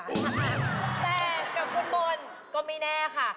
แต่กับคุณบนก็ไม่แน่ค่ะ